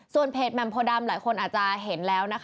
ส่วนเพจแมมโพต้ดำหลายคนอาจจะเห็นแล้ว